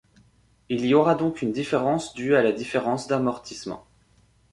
Il y aura donc une différence due à la différence d’amortissement.